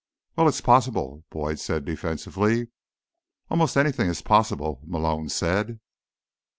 "Well, it's possible," Boyd said defensively. "Almost anything is possible," Malone said.